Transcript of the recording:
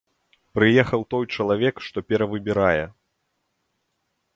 Прыехаў той чалавек, што перавыбірае.